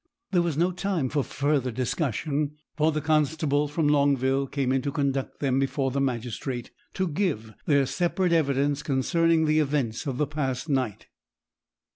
There was no time for further discussion, for the constable from Longville came in to conduct them before the magistrate, to give their separate evidence concerning the events of the past night.